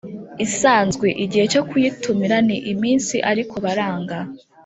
isanzwe Igihe cyo kuyitumira ni iminsi ariko baranga